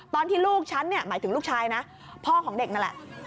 ตอนที่ลูกฉันเนี่ยหมายถึงลูกชายนะพ่อของเด็กนั่นแหละ